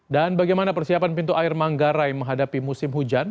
dan bagaimana persiapan pintu air manggarai menghadapi musim hujan